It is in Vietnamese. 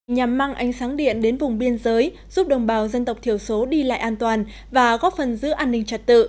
nhằm mang ánh sáng điện đến vùng biên giới giúp đồng bào dân tộc thiểu số đi lại an toàn và góp phần giữ an ninh trật tự